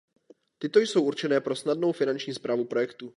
Ty jsou určené pro snadnou finanční správu projektu.